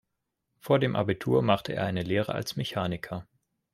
Vor dem Abitur machte er eine Lehre als Mechaniker.